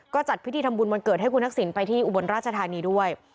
ก็จัดพิธีทำบุญวันเกิดให้คุณทักษิณไปที่อุบลราชธานีด้วย